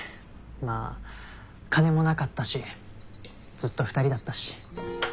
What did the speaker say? まあ金もなかったしずっと２人だったし。